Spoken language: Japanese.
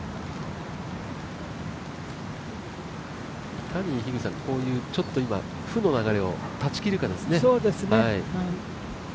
いかにこういう負の流れを断ち切るかですね。